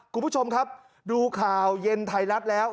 คุณผู้ชมครับดูข่าวเย็นไทยรัฐแล้ว